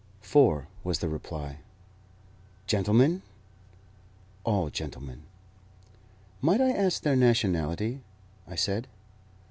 "Four," was the reply. "Gentlemen?" "All gentlemen." "Might I ask their nationality?" I said.